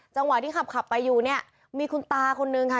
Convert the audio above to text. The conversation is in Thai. จังหวะที่ขับขับไปอยู่เนี่ยมีคุณตาคนนึงค่ะ